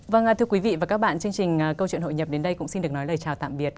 vâng thưa quý vị và các bạn chương trình câu chuyện hội nhập đến đây cũng xin được nói lời chào tạm biệt